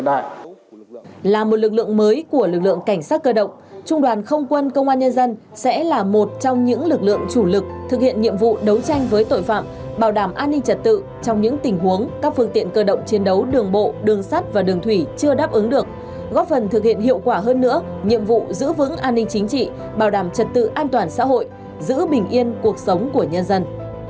trong các cơ động trung đoàn không quân công an nhân dân sẽ là một trong những lực lượng chủ lực thực hiện nhiệm vụ đấu tranh với tội phạm bảo đảm an ninh trật tự trong những tình huống các phương tiện cơ động chiến đấu đường bộ đường sắt và đường thủy chưa đáp ứng được góp phần thực hiện hiệu quả hơn nữa nhiệm vụ giữ vững an ninh chính trị bảo đảm trật tự an toàn xã hội giữ bình yên cuộc sống của nhân dân